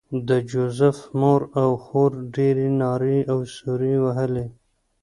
د جوزف مور او خور ډېرې نارې او سورې وهلې